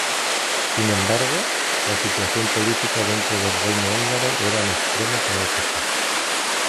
Sin embargo, la situación política dentro del reino húngaro era en extremo caótica.